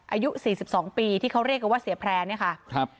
อายุ๔๒ปีที่เขาเรียกว่าเสียแพร่นี่ค่ะ